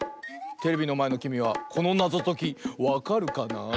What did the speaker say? テレビのまえのきみはこのなぞときわかるかな？